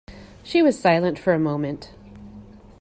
She was silent for a moment.